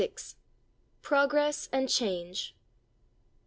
PROGRESS AND CHANGE.